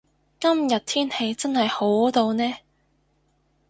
今日天氣真係好到呢